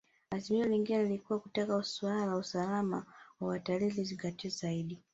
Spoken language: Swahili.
Azimio lingine lilikuwa kutaka suala la usalama wa watalii lizingatiwe zaidi